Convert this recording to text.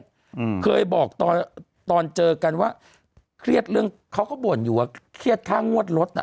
อืมเคยบอกตอนตอนเจอกันว่าเครียดเรื่องเขาก็บ่นอยู่ว่าเครียดค่างวดรถน่ะ